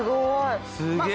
すげえ！